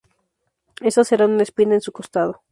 Esas eran una espina en su costado.